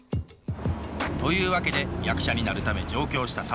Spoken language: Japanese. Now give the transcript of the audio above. というわけで役者になるため上京した諭。